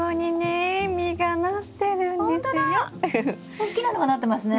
おっきなのがなってますね。